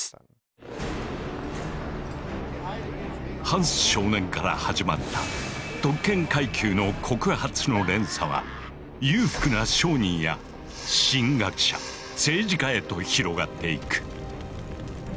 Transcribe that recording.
ハンス少年から始まった特権階級の告発の連鎖は裕福な商人や神学者政治家へと広がっていく。